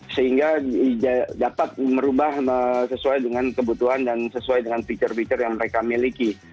sehingga dapat merubah sesuai dengan kebutuhan dan sesuai dengan fitur fitur yang mereka miliki